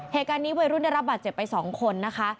เหตุการณ์นี้วัยรุ่นได้รับบาดเจ็บไป๒คนนะคะ